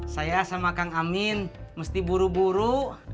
saya sama kang amin mesti buru buru